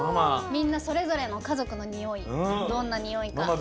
みんなそれぞれのかぞくのにおいどんなにおいか。